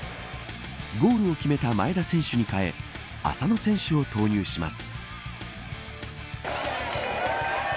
ゴールを決めた前田選手に代え浅野選手を投入します。